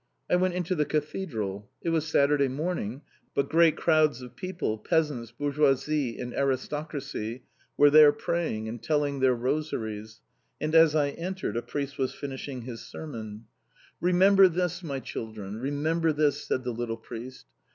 I went into the Cathedral. It was Saturday morning, but great crowds of people, peasants, bourgeoisie and aristocracy, were there praying and telling their rosaries, and as I entered, a priest was finishing his sermon. "Remember this, my children, remember this," said the little priest.